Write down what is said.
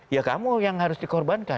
ya kamu yang harus dikorbankan